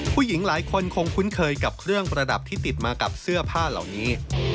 ผู้หญิงหลายคนคงคุ้นเคยกับเครื่องประดับที่ติดมากับเสื้อผ้าเหล่านี้